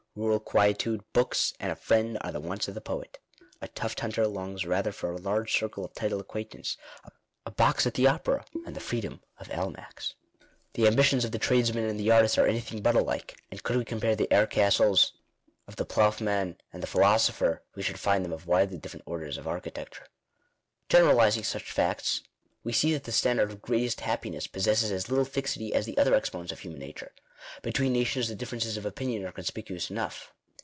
Eural quietude, books, and a friend, are the wants of the poet ; a tuft hunter longs rather for a large circle of titled acquaintance, a box at the Opera, and the freedom of Almack's. The ambitions of the tradesman and the artist are anything but alike; and could we com pare the air castles of the ploughman and the philosopher, we should find them of widely different orders of architecture. Generalizing such facts, we see that the standard of " greatest happiness " possesses as little fixity as the other exponents of human nature. Between nations the differences of opinion are conspicuous enough.